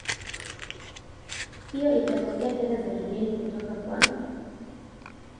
hiyo itapokea fedha za kigeni kutoka kwa